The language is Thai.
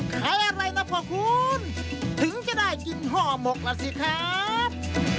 ขายอะไรล่ะพ่อคุณถึงจะได้กินห่อหมกล่ะสิครับ